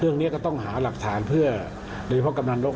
เรื่องนี้ก็ต้องหาหลักฐานเพื่อโดยเฉพาะกำลังนก